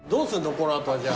この後はじゃあ。